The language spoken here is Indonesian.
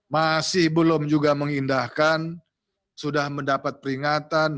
masih belum juga mengindahkan sudah mendapat peringatan